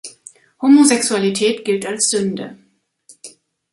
Homosexualität gilt als Sünde.